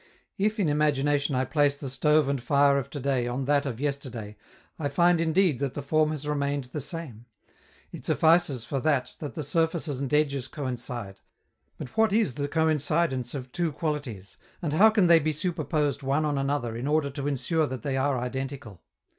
If, in imagination, I place the stove and fire of to day on that of yesterday, I find indeed that the form has remained the same; it suffices, for that, that the surfaces and edges coincide; but what is the coincidence of two qualities, and how can they be superposed one on another in order to ensure that they are identical?